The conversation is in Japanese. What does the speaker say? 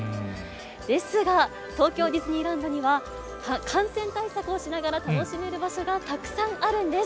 ですが、東京ディズニーランドには、感染対策をしながら楽しめる場所がたくさんあるんです。